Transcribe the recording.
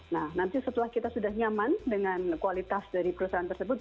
nah nanti setelah kita sudah nyaman dengan kualitas dari perusahaan tersebut